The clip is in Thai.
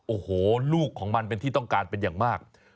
โอ้โหลูกของมันเป็นที่ต้องการเป็นอย่างมาก